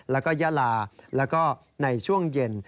แล้วก็ยาลาแล้วก็ในช่วงเย็น